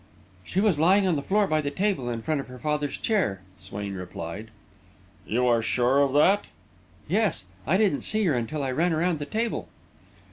"She was lying on the floor by the table, in front of her father's chair," Swain replied. "You are sure of that?" "Yes; I didn't see her until I ran around the table."